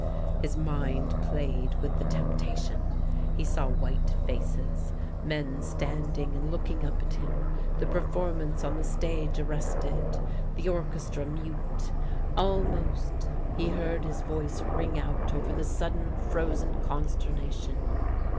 _ His mind played with the temptation; he saw white faces, men standing and looking up at him, the performance on the stage arrested, the orchestra mute; almost he heard his voice ring out over the sudden frozen consternation.